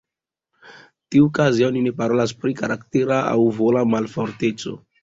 Tiuokaze, oni ne parolas pri karaktera aŭ vola malforteco.